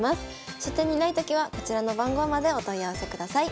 書店にないときはこちらの番号までお問い合わせください。